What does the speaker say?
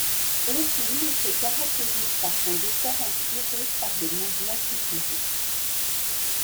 Le film se caractérise par son décor inspiré par le mouvement futuriste.